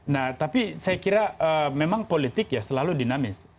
nah tapi saya kira memang politik ya selalu dinamis